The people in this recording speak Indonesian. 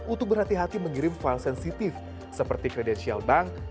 untuk berhati hati mengirim file sensitif seperti kredensial bank